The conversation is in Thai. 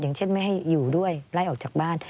อย่างเช่นไม่ให้อยู่ด้วยไล่ออกจากบ้าน